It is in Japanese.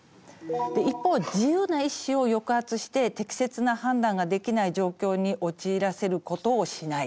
一方自由な意思を抑圧して適切な判断ができない状況に陥らせることをしない。